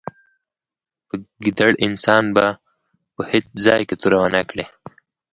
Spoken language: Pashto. په ګیدړ انسان به په هېڅ ځای کې توره و نه کړې.